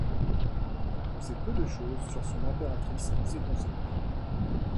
On sait peu de choses sur son impératrice ou ses consorts.